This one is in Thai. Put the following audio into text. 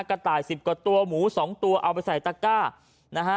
กระต่ายสิบกว่าตัวหมูสองตัวเอาไปใส่ตะก้านะฮะ